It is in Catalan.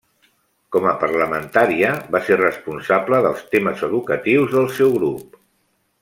Com a parlamentària va ser responsable dels temes educatius del seu grup.